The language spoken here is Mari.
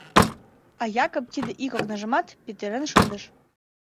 А Якоб тиде ик окнажымат петырен шындыш.